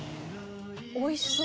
「おいしそう」